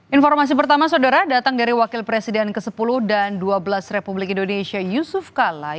informasi pertama saudara datang dari wakil presiden ke sepuluh dan ke dua belas republik indonesia yusuf kala